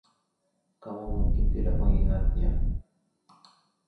Kamu mungkin tidak mengingatnya.